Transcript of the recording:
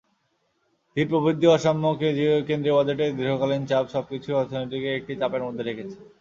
ধীর প্রবৃদ্ধি, অসাম্য, কেন্দ্রীয় বাজেটের দীর্ঘকালীন চাপ—সবকিছুই অর্থনীতিকে একটি চাপের মধ্যে রেখেছে।